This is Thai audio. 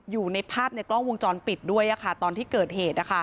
อยู่ในภาพในกล้องวงจรปิดด้วยตอนที่เกิดเหตุ